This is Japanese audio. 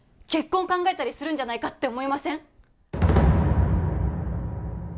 結婚考えたりするんじゃないかって思いません？